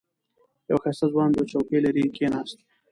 یو ښایسته ځوان دوه چوکۍ لرې کېناست.